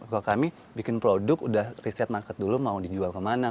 kalau kami bikin produk udah riset market dulu mau dijual kemana